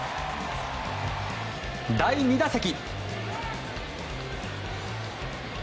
第２打席。